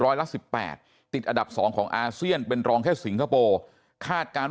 ร้อยละ๑๘ติดอันดับ๒ของอาเซียนเป็นรองแค่สิงคโปร์คาดการณ์